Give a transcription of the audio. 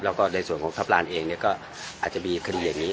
แล้วก็ในส่วนของทัพลานเองก็อาจจะมีคดีอย่างนี้